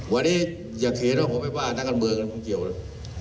วันนี้อย่าเขียนว่าผมไม่ว่านักการเมืองกันผมเกี่ยวเลย